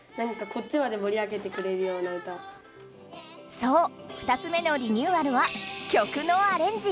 そう２つ目のリニューアルは「曲のアレンジ」。